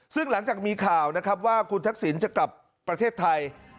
ซึ่งหลังจากมีข่าวนะครับว่าคุณทักษิณจะกลับประเทศไทย